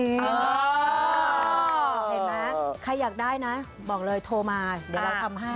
เห็นไหมใครอยากได้นะบอกเลยโทรมาเดี๋ยวเราทำให้